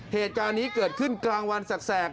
เหตุการณ์นี้เกิดขึ้นกลางวันแสก